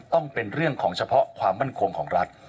ต้องเป็นเรื่องของเฉพาะความมั่นคงของรัฐ